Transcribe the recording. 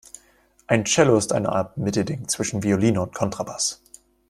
Ein Cello ist eine Art Mittelding zwischen Violine und Kontrabass.